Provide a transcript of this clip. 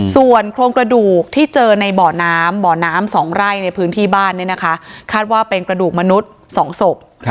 ส่วนโครงกระดูกที่เจอในบ่อน้ำสองไร่ในพื้นที่บ้านเนี่ยนะคะคาดว่าเป็นกระดูกมนุษย์สองศพ